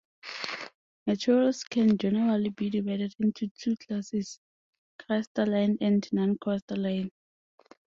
Materials can generally be divided into two classes: crystalline and non-crystalline.